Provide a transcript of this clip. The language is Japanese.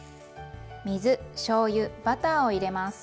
水しょうゆバターを入れます。